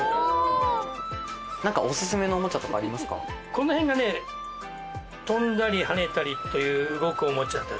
この辺がねとんだりはねたりという動くおもちゃだったり。